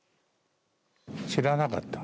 知らなかった。